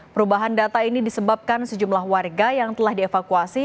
perubahan data ini disebabkan sejumlah warga yang telah dievakuasi